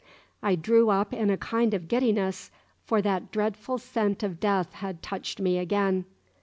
I drew up in a kind of giddiness, for that dreadful scent of death had touched me again.